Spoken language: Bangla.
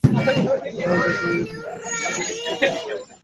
অন্যান্য জাতির নিকট ব্রাহ্মণদের এ গৌরবটুকু প্রাপ্য।